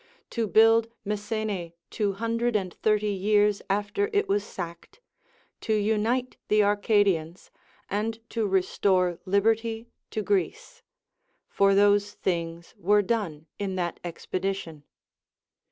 — to build Messene two hundred and thirty years after it was sacked, to unite the Arcadians, and to restore liberty to Greece ; for those things were done in that expedition.